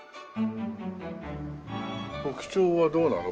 特徴はどうなの？